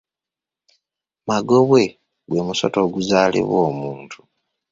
Magobwe gwe musota oguzaalibwa omuntu.